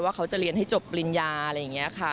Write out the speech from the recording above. เขาจะเรียนให้จบปริญญาอะไรอย่างนี้ค่ะ